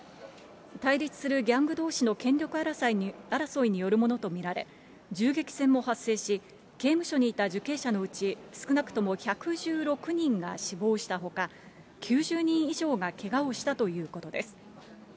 対立するギャングどうしの権力争いによるものと見られ、銃撃戦も発生し、刑務所にいた受刑者のうち、少なくとも１１６人が死亡したほか、９０人以上がけがをしたということです。